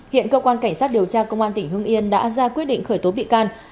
hiện cơ quan cảnh sát điều tra công an tỉnh hưng yên đã ra quyết định khởi tố bị can